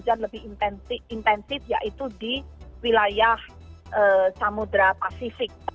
jadi pertumbuhan awan hujan lebih intensif yaitu di wilayah samudera pasifik